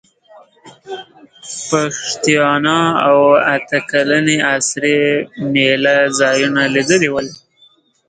پښتیاڼا او اته کلنې اسرې مېله ځایونه لیدلي ول.